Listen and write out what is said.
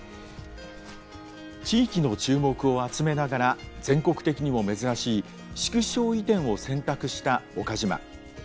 地域の注目を集めながら全国的にも珍しい縮小移転を選択した岡島。